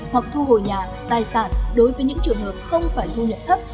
hoặc thu hồi nhà tài sản đối với những trường hợp không phải thu nhập thấp